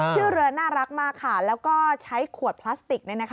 ชื่อเรือน่ารักมากค่ะแล้วก็ใช้ขวดพลาสติก